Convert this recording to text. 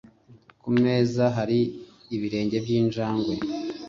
Ku meza hari ibirenge byinjangwe.